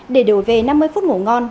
để đổi về năm mươi phút ngủ ngon